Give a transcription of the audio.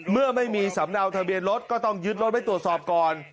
เมื่อไม่มีสำเนาทะเบียนรถก็ต้องยึดรถไว้ตรวจสอบก่อน